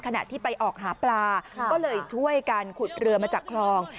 ขณะที่ไปออกหาปลาก็เลยช่วยกันขุดเรือมาจากคลอง